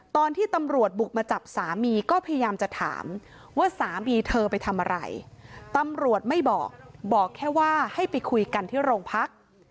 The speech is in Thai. ตอนที่ตำรวจบุกมาจับสามีก็พยายามจะถามว่าสามีเธอไปทำอะไรตำรวจไม่บอกบอกแค่ว่าให้ไปคุยกันที่โรงพัก